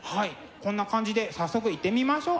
こんな感じで早速いってみましょうか。